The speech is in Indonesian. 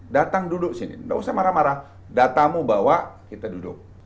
datang duduk sini nggak usah marah marah datamu bawa kita duduk